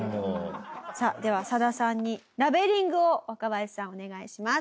さあではサダさんにラベリングを若林さんお願いします。